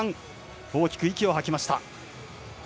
大きく息を吐きました。